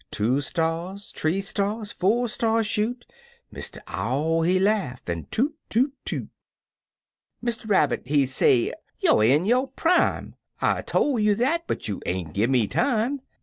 " Two stars, three stars, four stars shoot — Mr. Owl, he laugh, an' toot toot toot! Mr. Rabbit, he say, " Youer in yo' prime; I'd 'a' tol' you dat, but you ain't gi' me time."